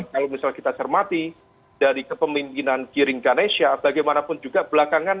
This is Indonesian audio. kalau misalnya kita cermati dari kepemimpinan giring ganesha bagaimanapun juga belakangan